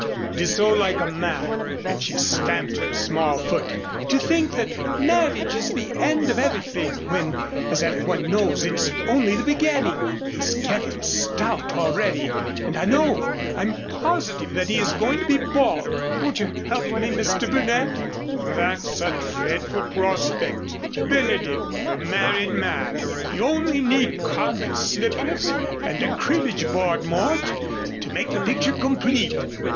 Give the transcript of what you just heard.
It's so like a man," and she stamped her small foot, "to think that marriage is the end of everything when as everyone knows it's only the beginning. He's getting stout already, and I know, I'm positive that he is going to be bald. Won't you help me, Mr. Burnett?" "That's a dreadful prospect Benedick, the married man. You only need carpet slippers and a cribbage board, Mort, to make the picture complete.